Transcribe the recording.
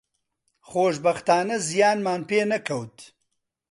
خۆشبەختانە زیانمان پێ نەکەوت